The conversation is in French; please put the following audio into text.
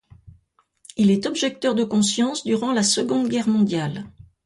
Il est objecteur de conscience durant la Seconde Guerre mondiale.